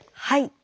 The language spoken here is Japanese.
はい！